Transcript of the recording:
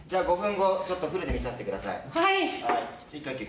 じゃあ、５分後、フルで見させてください。